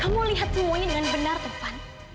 kamu lihat semuanya dengan benar tovan